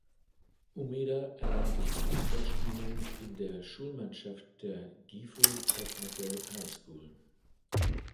Umeda erlernte das Fußballspielen in der Schulmannschaft der "Gifu Technical High School".